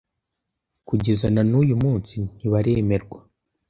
kugeza na n’uyu munsi ntibaremerwa